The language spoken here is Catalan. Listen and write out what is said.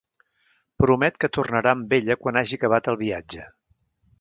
Promet que tornarà amb ella quan hagi acabat el viatge.